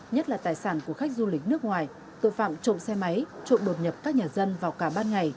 nhất là tài sản của khách du lịch nước ngoài tội phạm trộm xe máy trộn đột nhập các nhà dân vào cả ban ngày